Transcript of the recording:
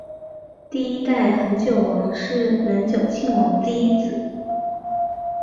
第一代恒久王是能久亲王的第一子。